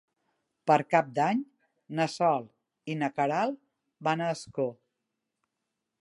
Per Cap d'Any na Sol i na Queralt van a Ascó.